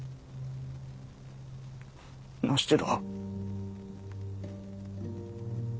なしてだ？